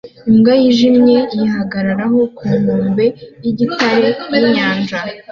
Imbwa yijimye yihagararaho ku nkombe yigitare yinyanja